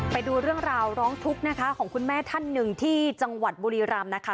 ไปดูเรื่องราวร้องทุกข์นะคะของคุณแม่ท่านหนึ่งที่จังหวัดบุรีรำนะคะ